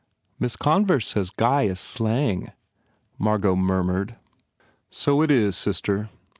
"Miss Converse says guy is slang," Margot murmured. "So it is, sister.